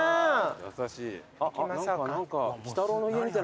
優しい。